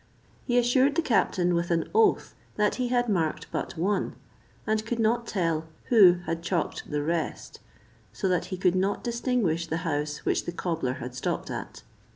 He assured the captain, with an oath, that he had marked but one, And could not tell who had chalked the rest, so that he could not distinguish the house which the cobbler had stopped at.